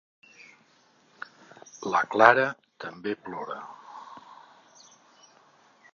La Clara també plora.